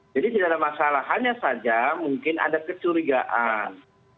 jadi tidak ada masalah hanya saja mungkin ada kecurigaan